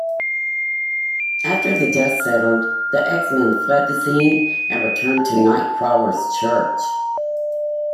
After the dust settled, the X-Men fled the scene and returned to Nightcrawler's church.